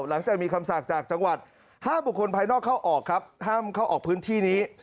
หลังจากมีคำสั่งจากจังหวัดห้ามบุคคลภายนอกเข้าออกครับห้ามเข้าออกพื้นที่นี้